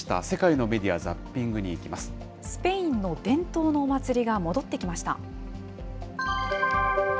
世界のメディア・ザッピングにいスペインの伝統のお祭りが戻ってきました。